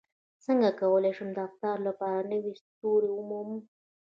څنګه کولی شم د افتار لپاره نوې دستورې ومومم